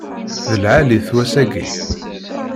D lɛali-t wass-aki.